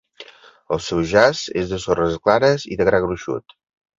El seu jaç és de sorres clares i de gra gruixut.